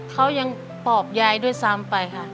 เขายังปอบยายด้วยซ้ำไปค่ะ